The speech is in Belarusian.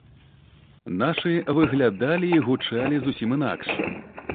Нашы выглядалі і гучалі зусім інакш.